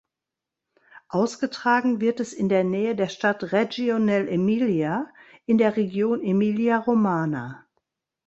Ausgetragen wird es in der Nähe der Stadt Reggio nell’Emilia in der Region Emilia-Romagna.